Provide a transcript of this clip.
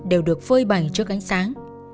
đều được phơi bảnh trước ánh sáng